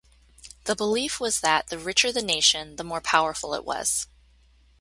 The belief was that the richer the nation the more powerful it was.